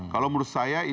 kalau menurut saya